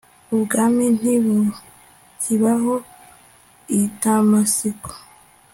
ubwami ntibukibaho i damasiko